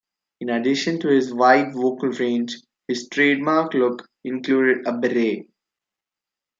In addition to his wide vocal range, his trademark look included a beret.